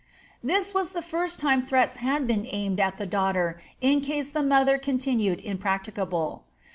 This was the first time threats had been aimed at the daughter in case the mother continued impracticable.